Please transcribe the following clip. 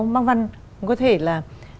bác văn có thể là